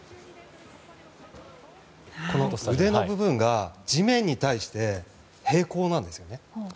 腕の部分が地面に対して平行なんですよね。